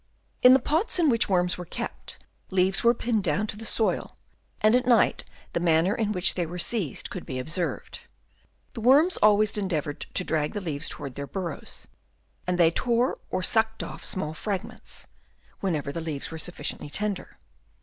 In the pots in which worms were kept, leaves were pinned down to the soil, and at night the manner in which they were seized could be observed. The worms always endeavoured to drag the leaves towards their burrows; and they tore or sucked off small fragments, whenever the leaves were sufE 58 HABITS OF WORMS. Chap. II. ciently tender.